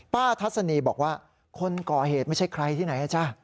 ทัศนีบอกว่าคนก่อเหตุไม่ใช่ใครที่ไหนนะจ๊ะ